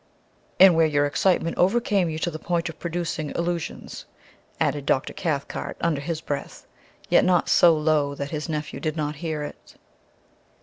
"And where your excitement overcame you to the point of producing illusions," added Dr. Cathcart under his breath, yet not so low that his nephew did not hear it.